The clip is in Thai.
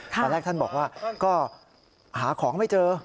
ตอนแรกท่านบอกว่าก็หาของไม่เจอ